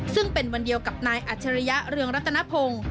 ซึ่งเป็นวันเดียวกับนายอัจฉริยะเรืองรัตนพงศ์